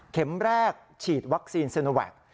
แรกฉีดวัคซีนเซโนแวค